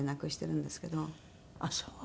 ああそう。